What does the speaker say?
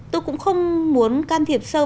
tôi cũng không muốn can thiệp sâu